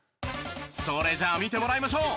それじゃあ見てもらいましょう。